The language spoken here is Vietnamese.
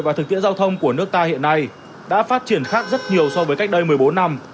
và thực tiễn giao thông của nước ta hiện nay đã phát triển khác rất nhiều so với cách đây một mươi bốn năm